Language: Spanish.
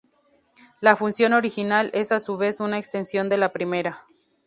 La función original es a su vez una extensión de la primera.